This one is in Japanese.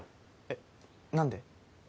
えっ何で？